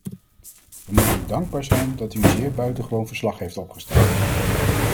We moeten u dankbaar zijn dat u een zeer buitengewoon verslag heeft opgesteld.